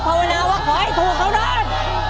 เพราะว่าขอให้ถูกครั้งนั้น